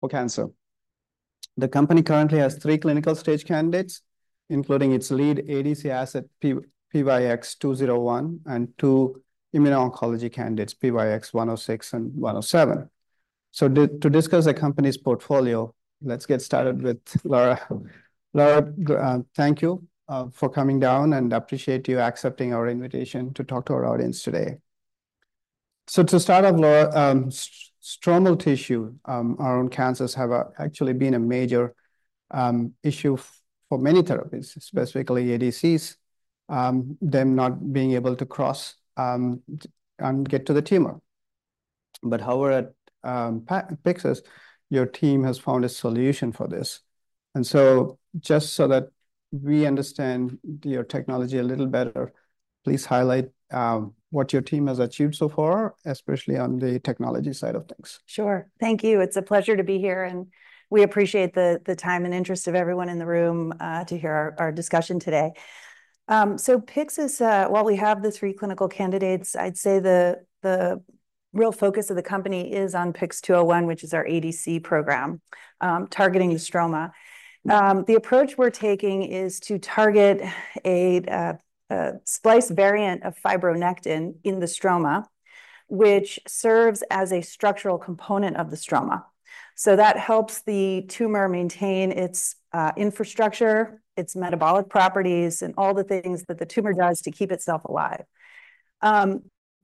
For cancer. The company currently has three clinical-stage candidates, including its lead ADC asset, PYX-201, and two immuno-oncology candidates, PYX-106 and PYX-107. So to discuss the company's portfolio, let's get started with Lara. Lara, thank you for coming down, and appreciate you accepting our invitation to talk to our audience today. So to start off, Lara, stromal tissue around cancers have actually been a major issue for many therapies, specifically ADCs, them not being able to cross and get to the tumor. But however, at Pyxis, your team has found a solution for this, and so just so that we understand your technology a little better, please highlight what your team has achieved so far, especially on the technology side of things. Sure. Thank you. It's a pleasure to be here, and we appreciate the time and interest of everyone in the room to hear our discussion today. So Pyxis, while we have the three clinical candidates, I'd say the real focus of the company is on PYX-201, which is our ADC program targeting the stroma. The approach we're taking is to target a splice variant of fibronectin in the stroma, which serves as a structural component of the stroma. So that helps the tumor maintain its infrastructure, its metabolic properties, and all the things that the tumor does to keep itself alive.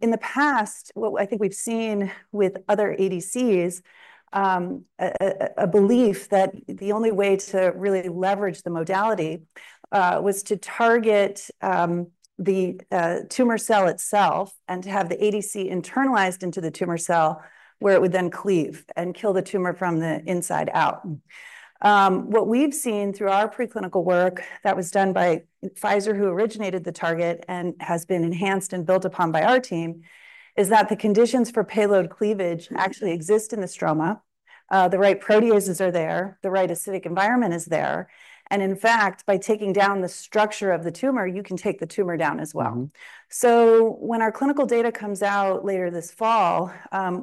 In the past, what I think we've seen with other ADCs, a belief that the only way to really leverage the modality was to target the tumor cell itself and to have the ADC internalized into the tumor cell, where it would then cleave and kill the tumor from the inside out. What we've seen through our preclinical work that was done by Pfizer, who originated the target and has been enhanced and built upon by our team, is that the conditions for payload cleavage actually exist in the stroma. The right proteases are there, the right acidic environment is there, and in fact, by taking down the structure of the tumor, you can take the tumor down as well. So when our clinical data comes out later this fall,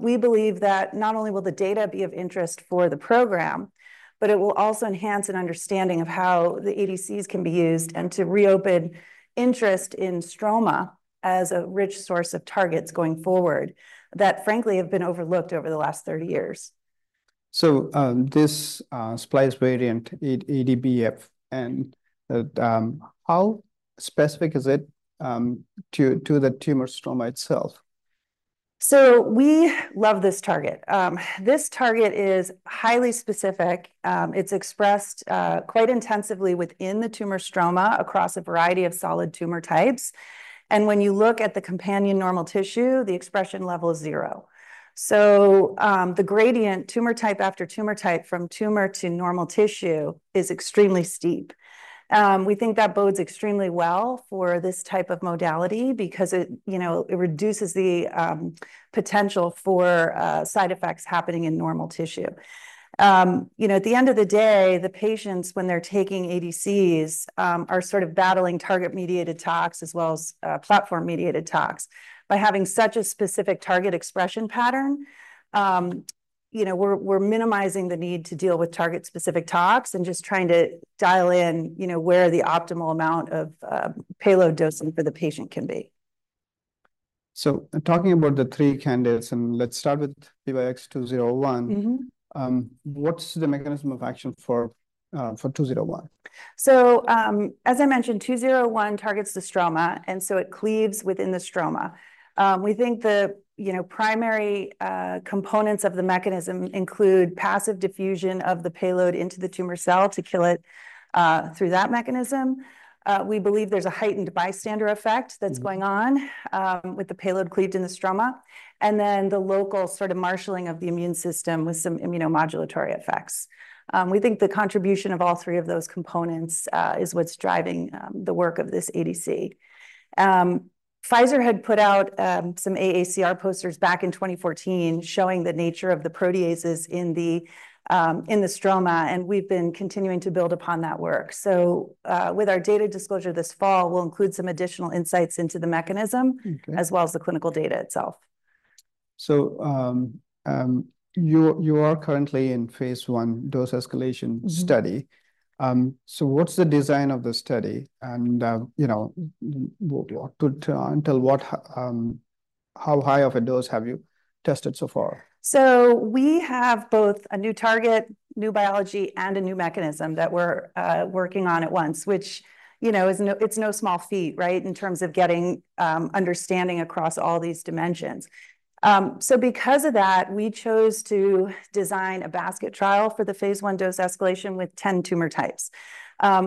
we believe that not only will the data be of interest for the program, but it will also enhance an understanding of how the ADCs can be used and to reopen interest in stroma as a rich source of targets going forward that, frankly, have been overlooked over the last thirty years. So, this splice variant, EDB-FN, and how specific is it to the tumor stroma itself? So we love this target. This target is highly specific. It's expressed quite intensively within the tumor stroma across a variety of solid tumor types, and when you look at the companion normal tissue, the expression level is zero. So the gradient, tumor type after tumor type, from tumor to normal tissue, is extremely steep. We think that bodes extremely well for this type of modality because it, you know, it reduces the potential for side effects happening in normal tissue. You know, at the end of the day, the patients, when they're taking ADCs, are sort of battling target-mediated tox as well as platform-mediated tox. By having such a specific target expression pattern, you know, we're minimizing the need to deal with target-specific tox and just trying to dial in, you know, where the optimal amount of payload dosing for the patient can be. Talking about the three candidates, and let's start with PYX-201. What's the mechanism of action for 201? So, as I mentioned, 201 targets the stroma, and so it cleaves within the stroma. We think the you know primary components of the mechanism include passive diffusion of the payload into the tumor cell to kill it through that mechanism. We believe there's a heightened bystander effect. That's going on with the payload cleaved in the stroma, and then the local sort of marshaling of the immune system with some immunomodulatory effects. We think the contribution of all three of those components is what's driving the work of this ADC. Pfizer had put out some AACR posters back in 2014 showing the nature of the proteases in the stroma, and we've been continuing to build upon that work. So, with our data disclosure this fall, we'll include some additional insights into the mechanism- Okay As well as the clinical data itself. You are currently in phase I dose escalation study. So what's the design of the study? And, you know, how high of a dose have you tested so far? So we have both a new target, new biology, and a new mechanism that we're working on at once, which, you know, is no small feat, right, in terms of getting understanding across all these dimensions. So because of that, we chose to design a basket trial for the phase I dose escalation with ten tumor types.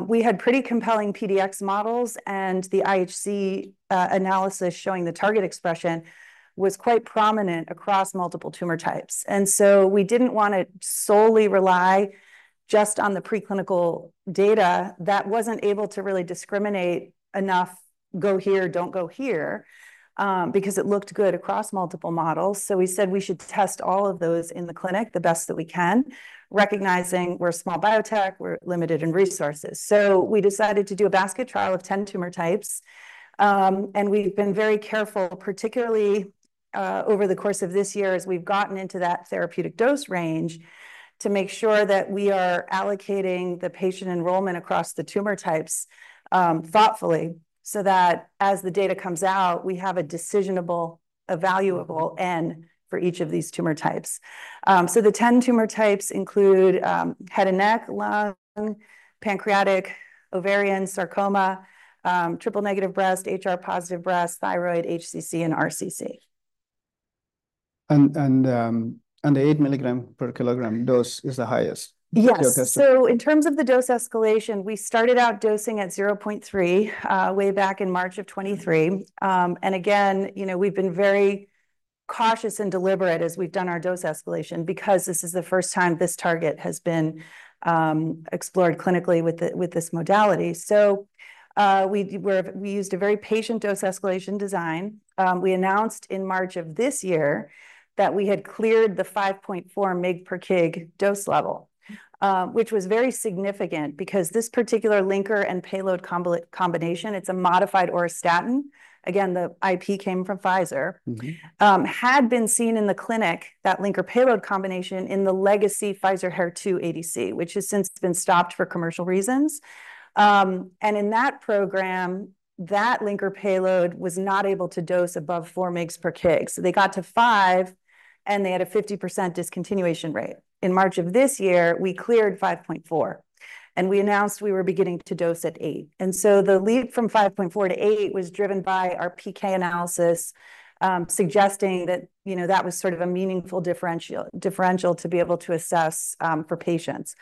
We had pretty compelling PDX models, and the IHC analysis showing the target expression was quite prominent across multiple tumor types. And so we didn't want to solely rely just on the preclinical data that wasn't able to really discriminate enough, "Go here, don't go here," because it looked good across multiple models. So we said we should test all of those in the clinic the best that we can, recognizing we're a small biotech, we're limited in resources. So we decided to do a basket trial of ten tumor types, and we've been very careful, particularly over the course of this year, as we've gotten into that therapeutic dose range, to make sure that we are allocating the patient enrollment across the tumor types, thoughtfully, so that as the data comes out, we have a decisionable, evaluable N for each of these tumor types. So the ten tumor types include head and neck, lung, pancreatic, ovarian, sarcoma, triple-negative breast, HR-positive breast, thyroid, HCC, and RCC. And the eight milligram per kilogram dose is the highest? Yes. Okay. In terms of the dose escalation, we started out dosing at zero point three way back in March of 2023. Again, you know, we've been very cautious and deliberate as we've done our dose escalation because this is the first time this target has been explored clinically with this modality. We used a very patient dose escalation design. We announced in March of this year that we had cleared the five point four mg per kg dose level, which was very significant because this particular linker and payload combination, it's a modified auristatin. Again, the IP came from Pfizer. Had been seen in the clinic, that linker payload combination, in the legacy Pfizer HER2 ADC, which has since been stopped for commercial reasons. And in that program, that linker payload was not able to dose above 4 mg per kg. So they got to 5, and they had a 50% discontinuation rate. In March of this year, we cleared 5.4, and we announced we were beginning to dose at 8. And so the leap from 5.4 to 8 was driven by our PK analysis, suggesting that, you know, that was sort of a meaningful differential to be able to assess, for patients.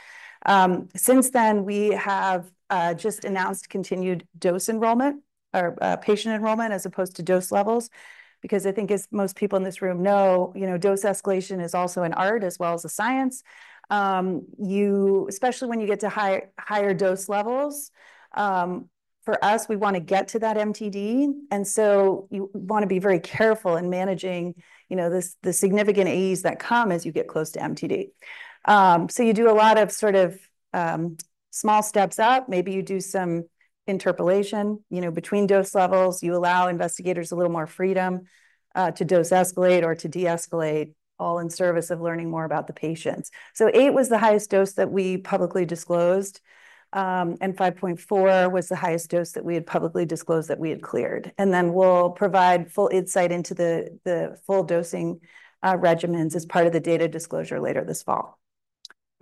Since then, we have just announced continued dose enrollment or patient enrollment as opposed to dose levels, because I think as most people in this room know, you know, dose escalation is also an art as well as a science. Especially when you get to higher dose levels, for us, we wanna get to that MTD, and so you wanna be very careful in managing, you know, the significant AEs that come as you get close to MTD. So you do a lot of sort of small steps up. Maybe you do some interpolation, you know, between dose levels. You allow investigators a little more freedom to dose escalate or to deescalate, all in service of learning more about the patients. So 8 was the highest dose that we publicly disclosed, and 5.4 was the highest dose that we had publicly disclosed that we had cleared. And then we'll provide full insight into the full dosing regimens as part of the data disclosure later this fall.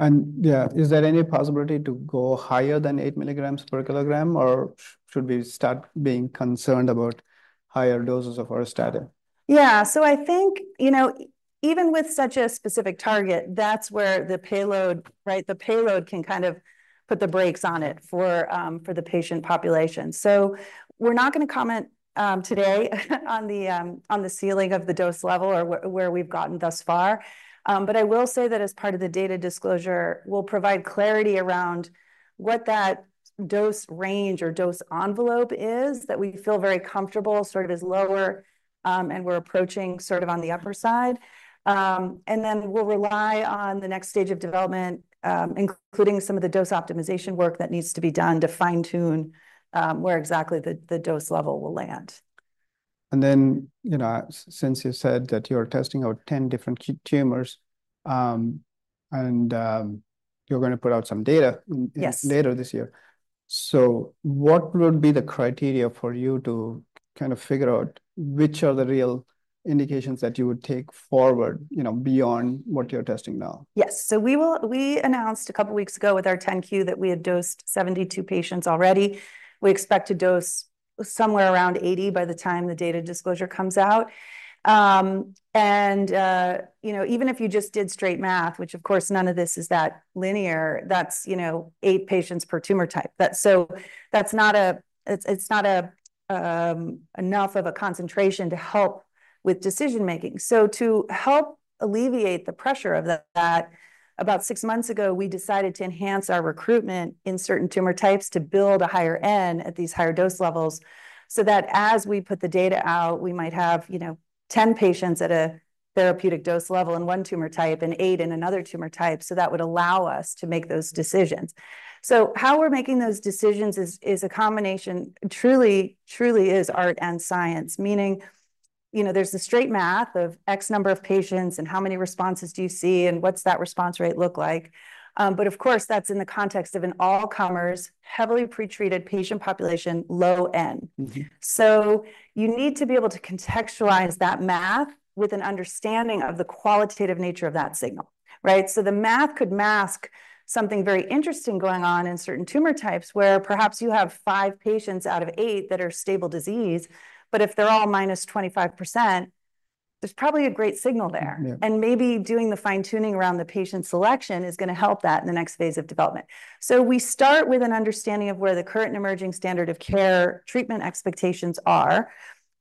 Yeah, is there any possibility to go higher than eight milligrams per kilogram, or should we start being concerned about higher doses of auristatin? Yeah. So I think, you know, even with such a specific target, that's where the payload, right, the payload can kind of put the brakes on it for the patient population. So we're not gonna comment, today, on the ceiling of the dose level or where we've gotten thus far. But I will say that as part of the data disclosure, we'll provide clarity around what that dose range or dose envelope is, that we feel very comfortable, sort of is lower, and we're approaching sort of on the upper side. And then we'll rely on the next stage of development, including some of the dose optimization work that needs to be done to fine-tune, where exactly the dose level will land. And then, you know, since you said that you're testing out 10 different key tumors, and you're gonna put out some data. Yes Later this year. So what would be the criteria for you to kind of figure out which are the real indications that you would take forward, you know, beyond what you're testing now? Yes, so we announced a couple weeks ago with our 10-Q that we had dosed 72 patients already. We expect to dose somewhere around 80 by the time the data disclosure comes out. You know, even if you just did straight math, which, of course, none of this is that linear, that's 8 patients per tumor type. That's not enough of a concentration to help with decision making. So to help alleviate the pressure of that, about six months ago, we decided to enhance our recruitment in certain tumor types to build a higher N at these higher dose levels, so that as we put the data out, we might have, you know, 10 patients at a therapeutic dose level in one tumor type and 8 in another tumor type, so that would allow us to make those decisions. So how we're making those decisions is a combination, truly is art and science, meaning, you know, there's the straight math of X number of patients, and how many responses do you see, and what's that response rate look like? But of course, that's in the context of an all-comers, heavily pretreated patient population, low N. So you need to be able to contextualize that math with an understanding of the qualitative nature of that signal, right? So the math could mask something very interesting going on in certain tumor types, where perhaps you have five patients out of eight that are stable disease, but if they're all -25%, there's probably a great signal there. Yeah. Maybe doing the fine-tuning around the patient selection is gonna help that in the next phase of development. We start with an understanding of where the current emerging standard of care treatment expectations are.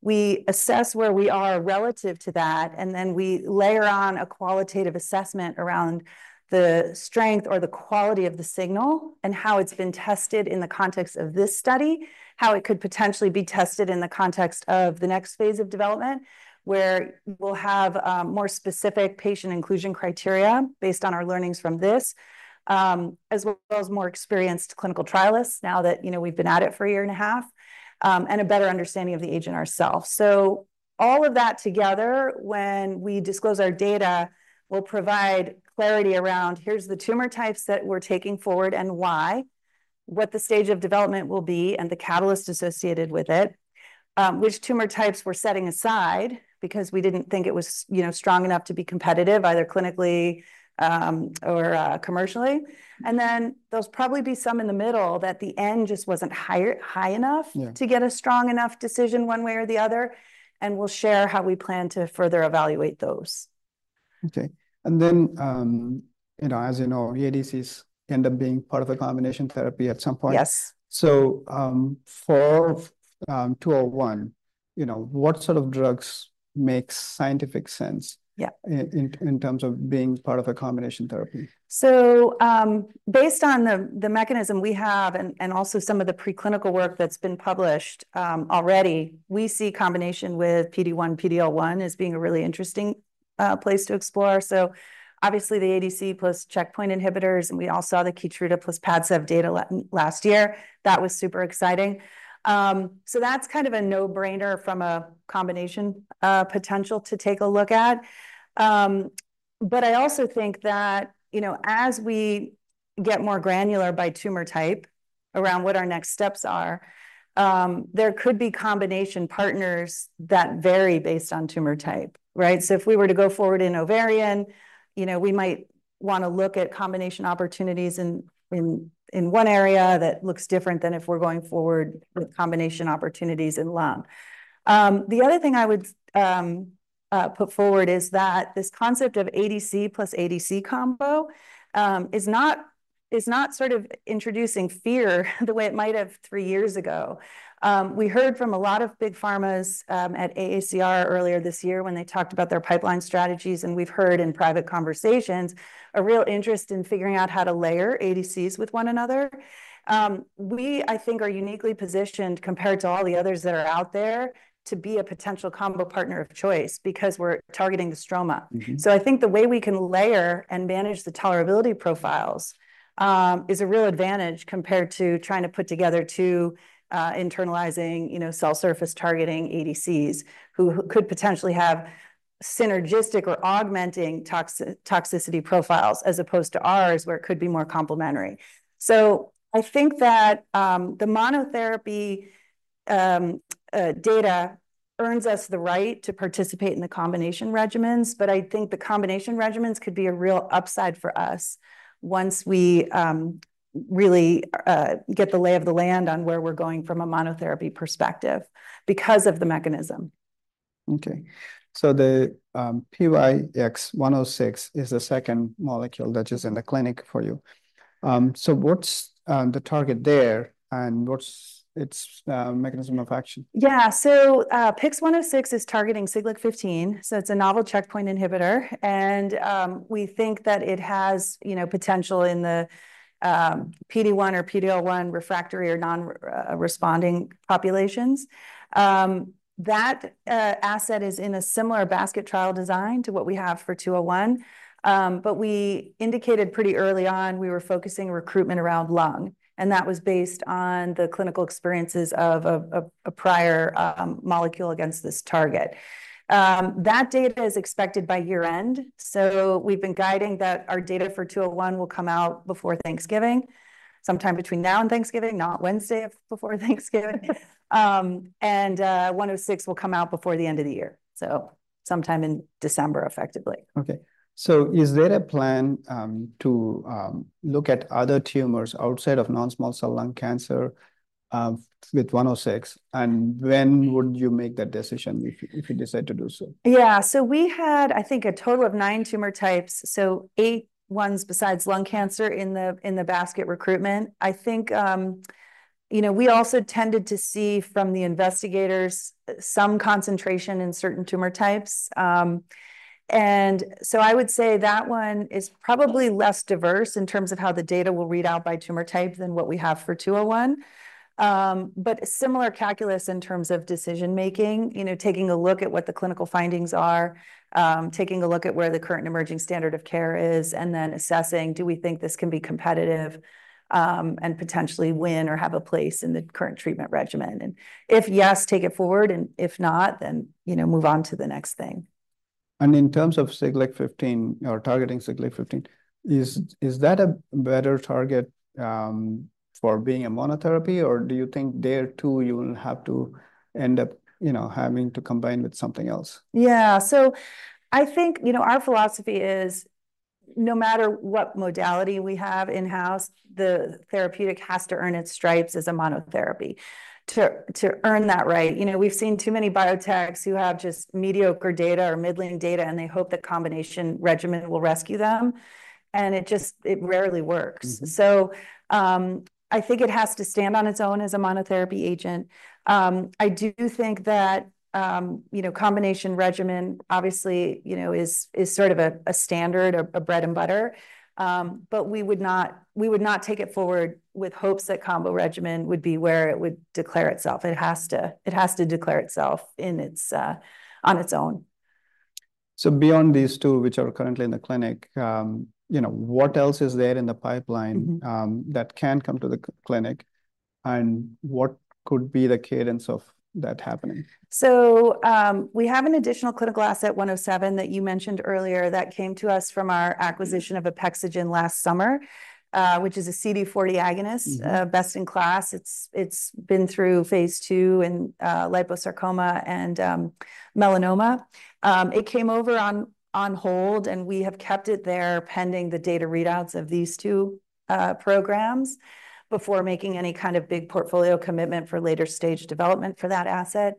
We assess where we are relative to that, and then we layer on a qualitative assessment around the strength or the quality of the signal and how it's been tested in the context of this study, how it could potentially be tested in the context of the next phase of development, where we'll have more specific patient inclusion criteria based on our learnings from this, as well as more experienced clinical trialists now that, you know, we've been at it for a year and a half and a better understanding of the agent ourselves. So all of that together, when we disclose our data, will provide clarity around, here's the tumor types that we're taking forward and why, what the stage of development will be, and the catalyst associated with it, which tumor types we're setting aside because we didn't think it was, you know, strong enough to be competitive, either clinically, or commercially. And then there'll probably be some in the middle that the end just wasn't high enough. Yeah. To get a strong enough decision one way or the other, and we'll share how we plan to further evaluate those. Okay, and then, you know, as you know, ADCs end up being part of a combination therapy at some point. Yes. For 201, you know, what sort of drugs makes scientific sense? Yeah In terms of being part of a combination therapy? Based on the mechanism we have, and also some of the preclinical work that's been published already, we see combination with PD-1, PD-L1 as being a really interesting place to explore. Obviously, the ADC plus checkpoint inhibitors, and we all saw the Keytruda plus Padsev data last year. That was super exciting. That's kind of a no-brainer from a combination potential to take a look at. I also think that, you know, as we get more granular by tumor type around what our next steps are, there could be combination partners that vary based on tumor type, right? If we were to go forward in ovarian, you know, we might wanna look at combination opportunities in one area that looks different than if we're going forward with combination opportunities in lung. The other thing I would put forward is that this concept of ADC plus ADC combo is not sort of introducing fear the way it might have three years ago. We heard from a lot of big pharmas at AACR earlier this year when they talked about their pipeline strategies, and we've heard in private conversations a real interest in figuring out how to layer ADCs with one another. We, I think, are uniquely positioned compared to all the others that are out there to be a potential combo partner of choice because we're targeting the stroma. So I think the way we can layer and manage the tolerability profiles is a real advantage compared to trying to put together two internalizing, you know, cell surface targeting ADCs, who could potentially have synergistic or augmenting toxicity profiles, as opposed to ours, where it could be more complementary. So I think that the monotherapy data earns us the right to participate in the combination regimens, but I think the combination regimens could be a real upside for us once we really get the lay of the land on where we're going from a monotherapy perspective because of the mechanism. Okay. So the PYX-106 is the second molecule that is in the clinic for you. So what's the target there, and what's its mechanism of action? Yeah, so, PYX-106 is targeting Siglec-15, so it's a novel checkpoint inhibitor, and we think that it has, you know, potential in the PD-1 or PD-L1 refractory or non-responding populations. That asset is in a similar basket trial design to what we have for 201, but we indicated pretty early on we were focusing recruitment around lung, and that was based on the clinical experiences of a prior molecule against this target. That data is expected by year-end, so we've been guiding that our data for 201 will come out before Thanksgiving, sometime between now and Thanksgiving, not Wednesday before Thanksgiving, and 106 will come out before the end of the year, so sometime in December, effectively. Okay. So is there a plan to look at other tumors outside of non-small cell lung cancer with PYX-106? And when would you make that decision if you decide to do so? Yeah. So we had, I think, a total of nine tumor types, so eight ones besides lung cancer in the basket recruitment. I think, you know, we also tended to see from the investigators some concentration in certain tumor types. And so I would say that one is probably less diverse in terms of how the data will read out by tumor type than what we have for 201. But similar calculus in terms of decision making, you know, taking a look at what the clinical findings are, taking a look at where the current emerging standard of care is, and then assessing, do we think this can be competitive, and potentially win or have a place in the current treatment regimen? And if yes, take it forward, and if not, then, you know, move on to the next thing. In terms of Siglec-15 or targeting Siglec-15, is that a better target for being a monotherapy, or do you think there, too, you will have to end up, you know, having to combine with something else? Yeah. So I think, you know, our philosophy is, no matter what modality we have in-house, the therapeutic has to earn its stripes as a monotherapy to earn that right. You know, we've seen too many biotechs who have just mediocre data or middling data, and they hope that combination regimen will rescue them, and it just. It rarely works. I think it has to stand on its own as a monotherapy agent. I do think that, you know, combination regimen, obviously, you know, is sort of a bread and butter, but we would not take it forward with hopes that combo regimen would be where it would declare itself. It has to declare itself on its own. So beyond these two, which are currently in the clinic, you know, what else is there in the pipeline, that can come to the clinic, and what could be the cadence of that happening? We have an additional clinical asset, 107, that you mentioned earlier, that came to us from our acquisition of Apexigen last summer, which is a CD40 agonist. Best-in-class. It's been through phase II in liposarcoma and melanoma. It came over on hold, and we have kept it there pending the data readouts of these two programs before making any kind of big portfolio commitment for later-stage development for that asset.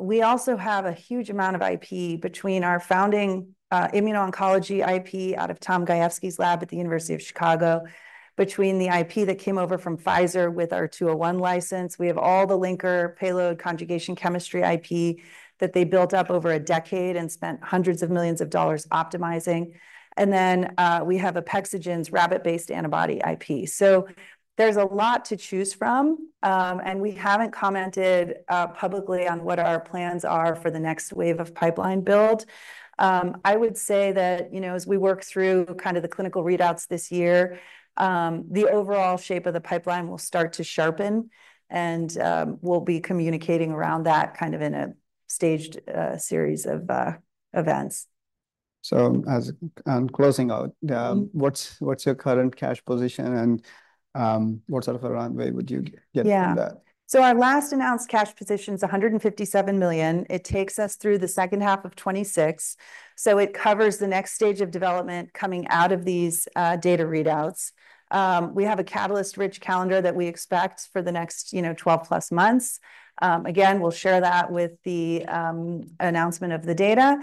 We also have a huge amount of IP between our founding immuno-oncology IP out of Tom Gajewski's lab at the University of Chicago. Between the IP that came over from Pfizer with our PYX-201 license, we have all the linker payload conjugation chemistry IP that they built up over a decade and spent hundreds of millions of dollars optimizing. And then, we have Apexigen's rabbit-based antibody IP. So there's a lot to choose from, and we haven't commented publicly on what our plans are for the next wave of pipeline build. I would say that, you know, as we work through kind of the clinical readouts this year, the overall shape of the pipeline will start to sharpen, and we'll be communicating around that kind of in a staged series of events. So, as on closing out. What's your current cash position, and what sort of a runway would you get from that? Yeah, so our last announced cash position's $157 million. It takes us through the second half of 2026, so it covers the next stage of development coming out of these data readouts. We have a catalyst-rich calendar that we expect for the next, you know, 12+ months. Again, we'll share that with the announcement of the data,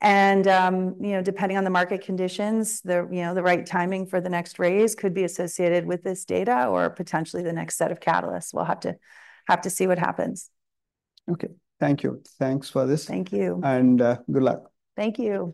and you know, depending on the market conditions, the right timing for the next raise could be associated with this data or potentially the next set of catalysts. We'll have to see what happens. Okay. Thank you. Thanks for this. Thank you. Good luck. Thank you.